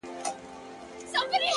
پيکه ښکارم نړۍ ته ستا و ساه ته درېږم-